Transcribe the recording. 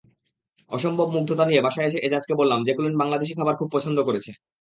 অসম্ভব মুগ্ধতা নিয়ে বাসায় এসে এজাজকে বললাম, জ্যাকুলিন বাংলাদেশি খাবার খুব পছন্দ করেছে।